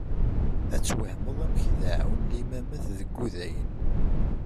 Ad twehmeḍ amek deɛɛun limamat deg Udayen.